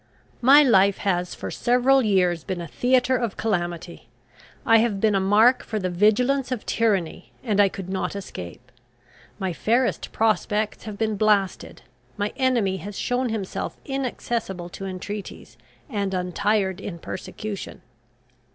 My life has for several years been a theatre of calamity. I have been a mark for the vigilance of tyranny, and I could not escape. My fairest prospects have been blasted. My enemy has shown himself inaccessible to entreaties, and untired in persecution.